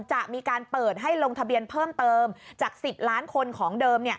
จะมีการเปิดให้ลงทะเบียนเพิ่มเติมจาก๑๐ล้านคนของเดิม